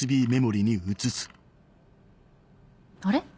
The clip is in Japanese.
あれ？